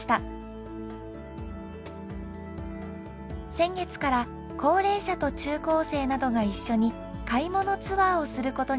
先月から高齢者と中高生などが一緒に「買い物ツアー」をすることになりました。